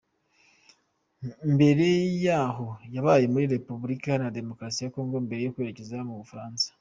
Mbere yaho yabaye muri republulika iharanira demokarasi ya Congo mbere yo kwerekeza mu Burafaransa.